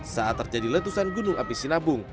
saat terjadi letusan gunung api sinabung